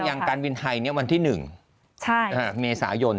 อย่างการบินไทยวันที่๑เมษายน